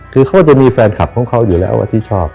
คือเขาก็จะมีแฟนคลับของเขาอยู่แล้วที่ชอบ